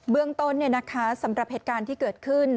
เรื่องต้นสำหรับเหตุการณ์ที่เกิดขึ้น